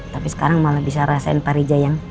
tapi sekarang malah bisa rasain pak rija yang